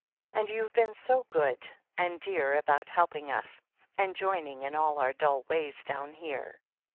And you've been so good and dear about helping us, and joining in all our dull ways down here